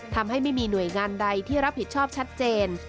ทำให้ไม่มีหน่วยงานใดที่รับผิดชอบชัดเจน